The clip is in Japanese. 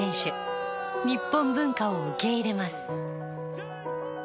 日本文化を受け入れます。